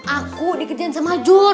aku dikerjain sama jun